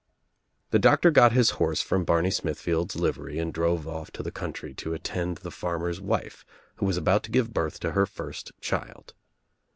The doctor got his horse from Barney Smithfield'a livery and drove off to the country to attend the farm er's wife who was about to give birth to her first child.